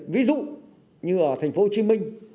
ví dụ như ở tp hcm